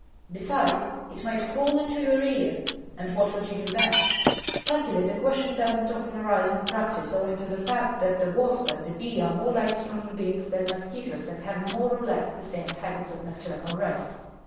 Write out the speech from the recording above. Besides, it might crawl into your ear, and what would you do then? Luckily, the question does not often arise in practice owing to the fact that the wasp and the bee are more like human beings than mosquitoes and have more or less the same habits of nocturnal rest.